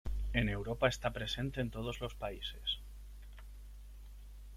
En Europa, está presente en todos los países.